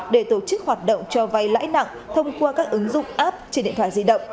để tổ chức hoạt động cho vay lãi nặng thông qua các ứng dụng app trên điện thoại di động